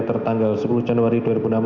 tertanggal sepuluh januari dua ribu enam belas